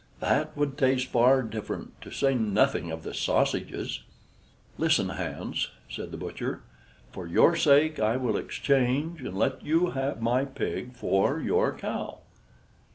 That would taste far different, to say nothing of the sausages!" "Listen, Hans," said the butcher. "For your sake, I will exchange, and let you have my pig for your cow."